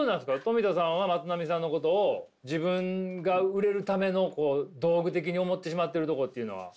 トミタさんはまつなみさんのことを自分が売れるための道具的に思ってしまってるとこというのは？